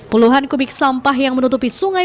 puluhan kubik sampah yang menutupi sungai